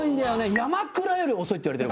山倉より遅いって言われてる。